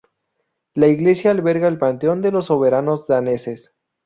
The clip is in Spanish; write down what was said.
La iglesia alberga el panteón de los soberanos daneses.